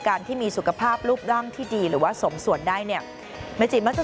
การที่มีสุขภาพรูปร่างที่ดีหรือว่าสมส่วนได้เนี่ย